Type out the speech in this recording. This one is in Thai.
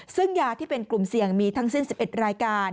ซึ่งยาที่เป็นกลุ่มเสี่ยงมีทั้งสิ้น๑๑รายการ